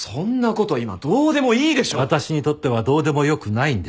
私にとってはどうでもよくないんです。